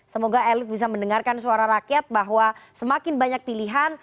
semoga elit bisa mendengarkan suara rakyat bahwa semakin banyak pilihan